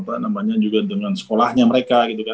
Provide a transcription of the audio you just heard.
apa namanya juga dengan sekolahnya mereka gitu kan